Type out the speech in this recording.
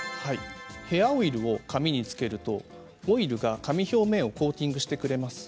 ヘアオイルを髪につけるとオイルが髪の表面をコーティングしてくれます。